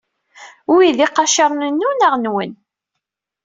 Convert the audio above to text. Wi d iqaciren-inu neɣ nwen?